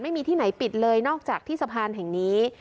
ไม่มีที่ไหนปิดเลยนอกจากที่สะพานแห่งนี้